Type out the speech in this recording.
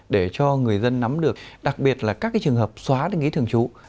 để cho người dân nắm được đặc biệt là các cái trường hợp xóa đăng ký thường trú